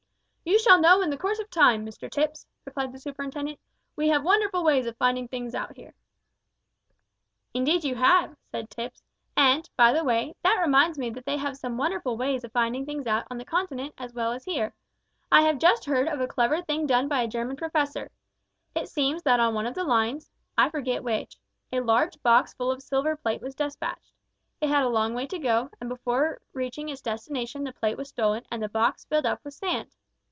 "You shall know in the course of time, Mr Tipps," replied the superintendent. "We have wonderful ways of finding out things here." "Indeed you have," said Tipps; "and, by the way, that reminds me that they have some wonderful ways of finding out things on the Continent as well as here. I have just heard of a clever thing done by a German professor. It seems that on one of the lines I forget which a large box full of silver plate was despatched. It had a long way to go, and before reaching its destination the plate was stolen, and the box filled up with sand.